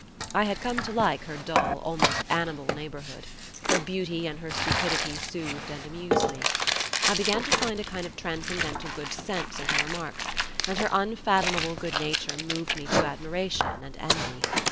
I had come to like her dull, almost animal neighbourhood; her beauty and her stupidity soothed and amused me. I began to find a kind of transcendental good sense in her remarks, and her unfathomable good nature moved me to admiration and envy.